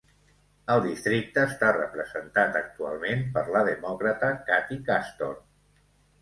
El districte està representat actualment per la demòcrata Kathy Castor.